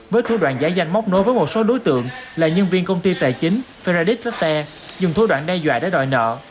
với thủ đoạn giải danh móc nối với một số đối tượng là nhân viên công ty tài chính ferradit ret dùng thủ đoạn đe dọa để đòi nợ